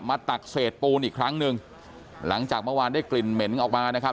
ตักเศษปูนอีกครั้งหนึ่งหลังจากเมื่อวานได้กลิ่นเหม็นออกมานะครับ